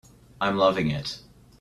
I'm loving it.